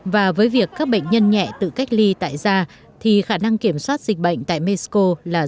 và với việc các bệnh nhân nhẹ tự cách ly tại da thì khả năng kiểm soát dịch bệnh tại mexico là